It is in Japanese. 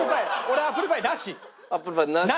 アップルパイなしです。